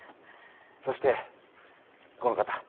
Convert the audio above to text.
そしてこの方。